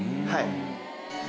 はい。